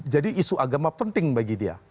jadi isu agama penting bagi dia